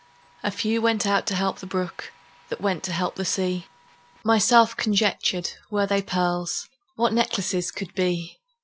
A few went out to help the brook, That went to help the sea. Myself conjectured, Were they pearls, What necklaces could be!